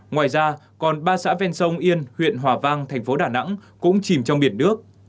ngoài ra còn ba xã ven sông yên huyện hòa vang thành phố đà nẵng cũng chìm trong biển nước